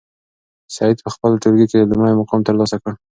سعید په خپل ټولګي کې لومړی مقام ترلاسه کړ.